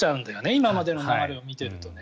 今までの流れを見ているとね。